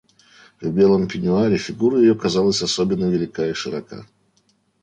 В белом пенюаре фигура ее казалась особенно велика и широка.